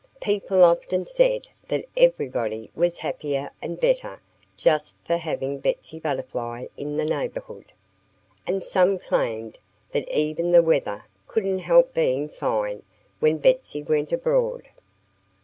People often said that everybody was happier and better just for having Betsy Butterfly in the neighborhood. And some claimed that even the weather couldn't help being fine when Betsy went abroad.